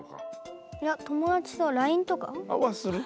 いや友達とはＬＩＮＥとか。はする？